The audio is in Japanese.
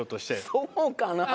そうかなあ。